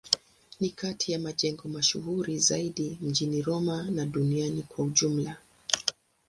Ni kati ya majengo mashuhuri zaidi mjini Roma na duniani kwa ujumla.